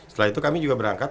setelah itu kami juga berangkat